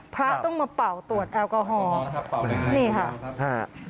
พระต้องมาเป่าตรวจแอลกอฮอล์นี่ค่ะครับ